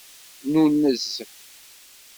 Nunez.